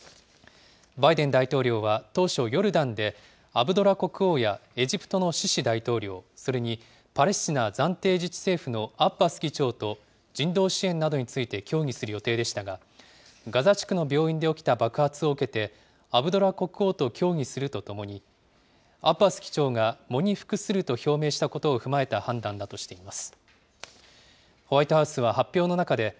バイデン大統領は当初、ヨルダンでアブドラ国王やエジプトのシシ大統領、それにパレスチナ暫定自治政府のアッバス議長と人道支援などについて協議する予定でしたが、ガザ地区の病院で起きた爆発を受けて、アブドラ国王と協議するとともに、アッバス議長が喪に服すると表明したことを踏まえた判断だとしています。